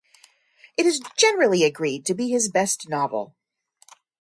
It is generally agreed to be his best novel.